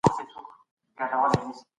موږ به خپل هیواد پخپله جوړوو.